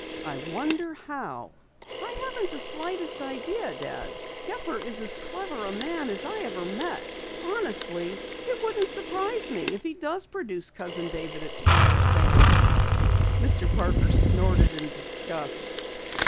"I wonder how?" "I haven't the slightest idea, Dad. Gepper is as clever a man as ever I met. Honestly, it wouldn't surprise me if he does produce Cousin David at tomorrow's séance." Mr. Parker snorted in disgust.